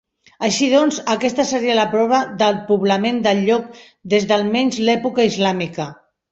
Així doncs, aquesta seria la prova del poblament del lloc des d'almenys l'època islàmica.